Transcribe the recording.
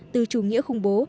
từ chủ nghĩa khủng bố